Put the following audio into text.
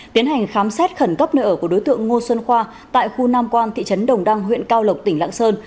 tiến hành khám xét khẩn cấp nơi ở của đối tượng ngô xuân khoa tại khu nam quan thị trấn đồng đăng huyện cao lộc tỉnh lạng sơn